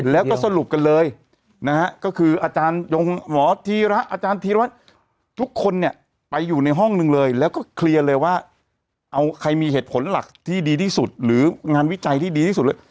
แล้วก็สรุปกันเลยนะฮะก็คืออาจารยงหมอธีระอาจารย์ธีรวัตรทุกคนเนี่ยไปอยู่ในห้องนึงเลยแล้วก็เคลียร์เลยว่าเอาใครมีเหตุผลหลักที่ดีที่สุดหรืองานวิจัยที่ดีที่สุดเลย